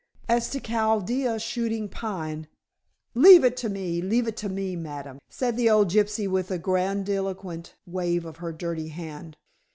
"As to Chaldea shooting Pine " "Leave it to me, leave it to me, ma'am," said the old gypsy with a grandiloquent wave of her dirty hand.